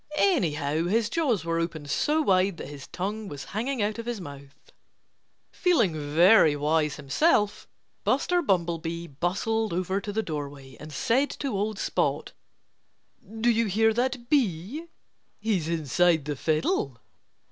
Anyhow, his jaws were open so wide that his tongue was hanging out of his mouth. Feeling very wise himself, Buster Bumblebee bustled over to the doorway and said to old Spot: "Do you hear that bee? He's inside the fiddle!"